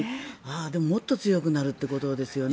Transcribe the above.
でも、もっと強くなるってことですよね。